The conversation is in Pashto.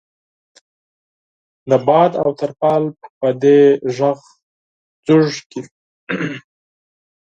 د باد او ترپال په دې غږ ځوږ کې.